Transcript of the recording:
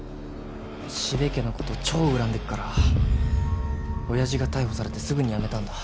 四部家の事を超恨んでるから親父が逮捕されてすぐに辞めたんだ。